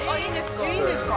いいんですか？